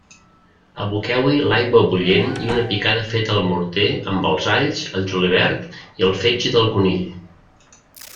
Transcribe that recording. Aboqueu-hi l'aigua bullent i una picada feta al morter amb els alls, el julivert i el fetge del conill.